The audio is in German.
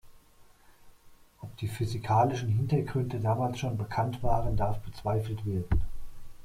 Ob die physikalischen Hintergründe damals schon bekannt waren, darf bezweifelt werden.